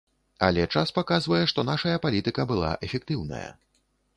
Але час паказвае, што нашая палітыка была эфектыўная.